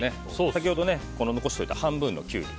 先ほど残しておいた半分のキュウリ